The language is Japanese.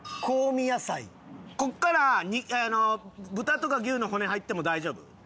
ここからあの豚とか牛の骨入っても大丈夫？